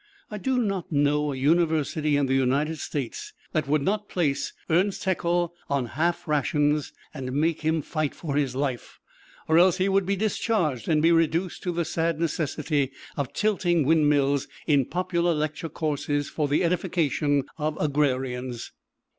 I do not know a University in the United States that would not place Ernst Haeckel on half rations, and make him fight for his life, or else he would be discharged and be reduced to the sad necessity of tilting windmills in popular lecture courses for the edification of agrarians.